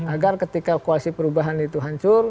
agar ketika koalisi perubahan itu hancur